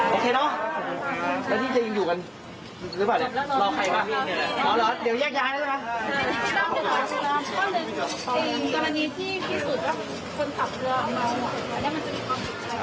โอเคเนอะ